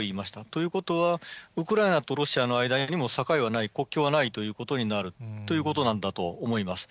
ということはウクライナとロシアの間にも境はない、国境はないということになるということなんだと思います。